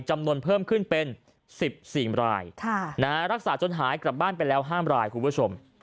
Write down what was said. จำนวนเพิ่มขึ้นเป็น๑๔รายรักษาจนหายกลับบ้านไปแล้ว๕รายคุณผู้ชม